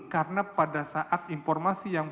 karena pada saat informasi yang